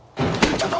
ちょっと！